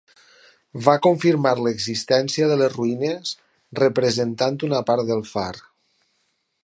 Va confirmar l'existència de les roïnes representant una part del far.